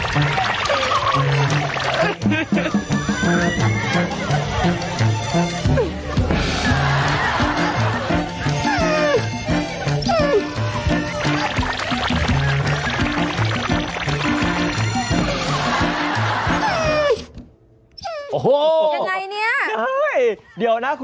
สกิดยิ้ม